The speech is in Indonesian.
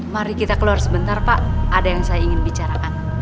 mari kita keluar sebentar pak ada yang saya ingin bicarakan